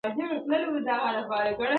زما په څېر یو ټوپ راواچاوه له پاسه -